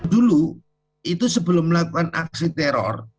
dulu itu sebelum melakukan aksi teror